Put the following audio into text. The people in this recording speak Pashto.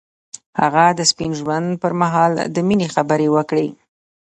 هغه د سپین ژوند پر مهال د مینې خبرې وکړې.